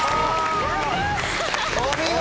お見事！